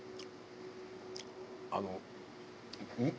あの。